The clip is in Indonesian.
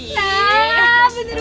nah bener banget tuh